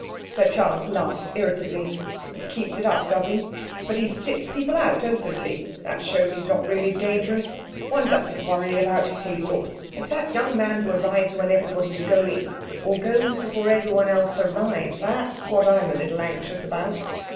Sir Charles laughed irritably. 'He keeps it up, does he? But he sits people out openly, that shows he's not really dangerous. One doesn't worry about Hazel. It's that young man who arrives when everybody's going, or goes before anyone else arrives, that's what I'm a little anxious about.'